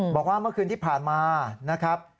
บอกว่าเมื่อคืนที่ผ่านมานะครับ